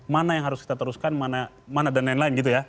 mana yang harus kita teruskan mana dan lain lain gitu ya